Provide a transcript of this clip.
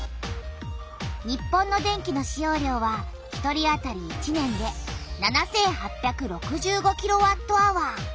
日本の電気の使用量は１人あたり１年で７８６５キロワットアワー。